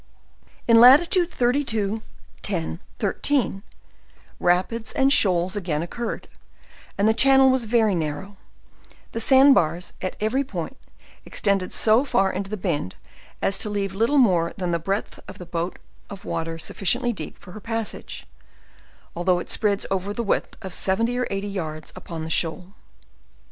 In latitude 32, 10, 13, rapids and shoals again occurred, and the channel was very narrow; the sand bars, at every point, extended so far into the bend as to leave little more than the breadth of the boat of water sufficiently deep for her passage, although it spreads over the width of seventy or eighty yards upon the shoal.